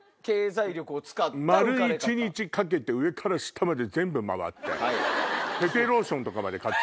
丸１日かけて上から下まで全部回って。